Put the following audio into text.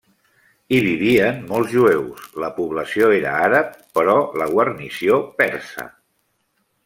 Hi vivien molts jueus; la població era àrab però la guarnició persa.